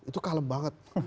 itu kalem banget